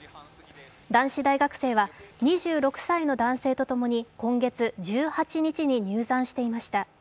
男子大学生は２６歳の男性とともに、今月１８日に入山していました。